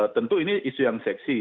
tentu ini isu yang seksi